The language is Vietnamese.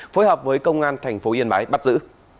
phối hợp với công an thành phố yên bái bắt giữ